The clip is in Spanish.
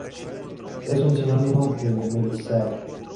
Es un sinónimo de "Meliaceae"